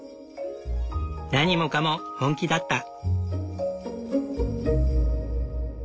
何もかも本気だった。